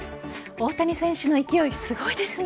大谷選手の勢い、すごいですね。